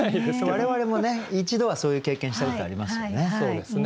我々もね一度はそういう経験したことありますもんね。